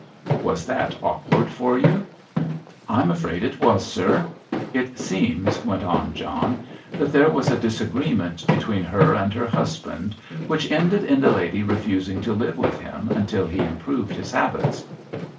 "Was that awkward for you?" "I'm afraid it was, sir. It seems," went on John, "that there was a disagreement between her and her husband, which ended in the lady refusing to live with him until he improved his habits."